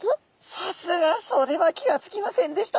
さすがそれは気が付きませんでした。